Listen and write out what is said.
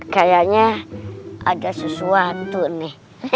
kayaknya ada sesuatu nih